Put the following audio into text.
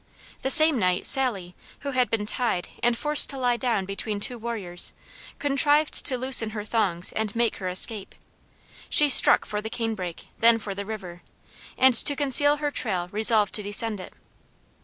The same night Sally, who had been tied and forced to lie down between two warriors, contrived to loosen her thongs and make her escape. She struck for the canebrake, then for the river, and to conceal her trail resolved to descend it.